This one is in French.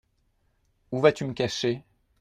Où vas-tu me cacher ?